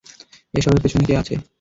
এসবের পেছনে কে আছে?